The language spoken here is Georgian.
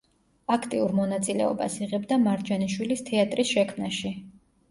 აქტიურ მონაწილეობას იღებდა მარჯანიშვილის თეატრის შექმნაში.